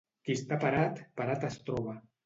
Qui està parat, parat es troba.